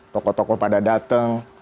toko toko pada datang